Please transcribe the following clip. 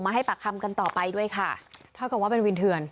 ให้ปากคำกันต่อไปด้วยค่ะเท่ากับว่าเป็นวินเถื่อน